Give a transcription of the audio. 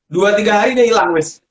dua tiga hari dia hilang mas